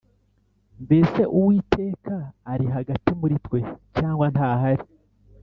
Mbese Uwiteka ari hagati muri twe, cyangwa ntahari?